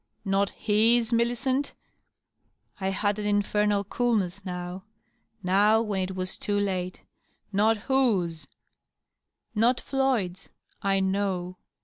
"Not hisy Millicent?" I had an infernal coolness, now; — now, when it was too late. " Not whose f^ *^ Not Floyd's. I know."